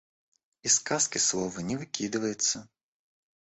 Из сказки слово не выкидывается.